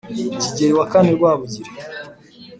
kigeli wa kane rwabugili